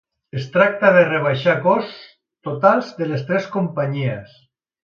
Es tracta de rebaixar costs totals de les tres companyies.